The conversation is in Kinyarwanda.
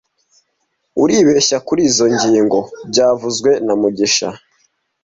Uribeshya kurizoi ngingo byavuzwe na mugisha